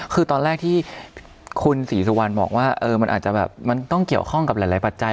คือตอนแรกที่คุณศรีสุวรรณบอกว่ามันอาจจะแบบมันต้องเกี่ยวข้องกับหลายปัจจัย